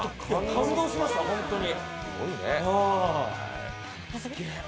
感動しました、本当に。